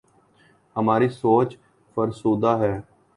ہماری سوچ فرسودہ ہے۔